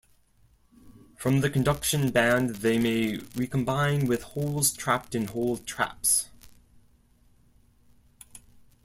From the conduction band they may recombine with holes trapped in hole traps.